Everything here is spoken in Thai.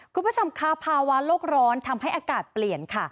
คุณผู้ชมค่ะภาวะโลกร้อนทำให้อากาศเปลี่ยนค่ะ